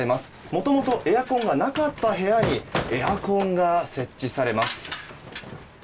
もともとエアコンがなかった部屋にエアコンが設置されます。